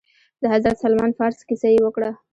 د حضرت سلمان فارس کيسه يې وکړه.